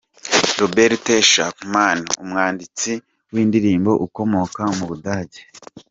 Robert Schumann, umwanditsi w’indirimbo ukomoka mu Budage.